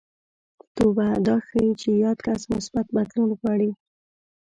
توبه دا ښيي چې یاد کس مثبت بدلون غواړي